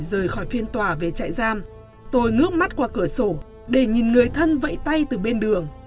đời khỏi phiên tòa về chạy giam tôi ngước mắt qua cửa sổ để nhìn người thân vẫy tay từ bên đường